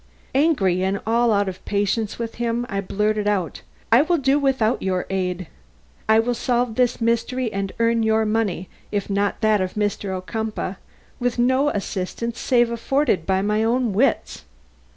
Angry and out of all patience with him, I blurted out: "I will do without your aid. I will solve this mystery and earn your money if not that of Mr. Ocumpaugh, with no assistance save that afforded by my own wits."